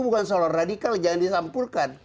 bukan soal radikal jangan disampulkan